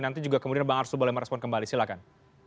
nanti juga kemudian bang arsul boleh merespon kembali silahkan